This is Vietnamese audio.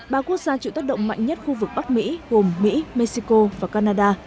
ba quốc gia chịu tác động mạnh nhất khu vực bắc mỹ gồm mỹ mexico và canada